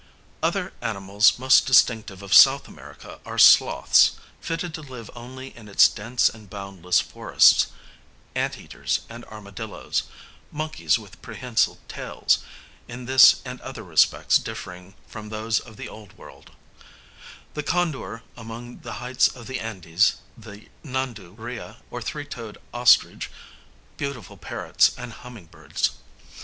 Other animals most distinctive of S. America are sloths, fitted to live only in its dense and boundless forests; ant eaters and armadillos; monkeys with prehensile tails, in this and other respects differing from those of the Old World; the condor among the heights of the Andes, the nandu, rhea or three toed ostrich, beautiful parrots and humming birds.